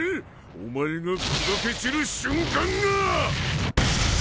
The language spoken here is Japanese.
お前が砕け散る瞬間がぁ！